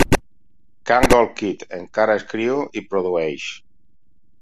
Kangol Kid encara escriu i produeix.